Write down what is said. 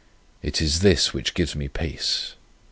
It is this which gives me peace.